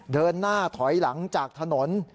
เดินหน้าถอยหลังจากถนน